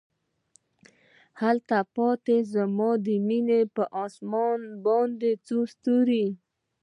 هلته پاته زما د میینې په اسمان باندې څو ستوري